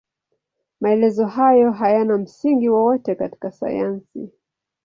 Maelezo hayo hayana msingi wowote katika sayansi.